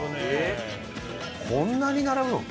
こんなに並ぶの？